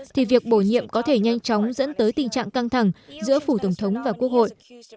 thì việc bổ nhiệm có thể nhanh chóng dẫn tới tình trạng căng thẳng giữa phủ tổng thống và quốc hội